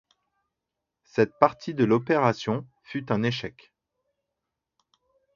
Cette partie de l'opération fut un échec.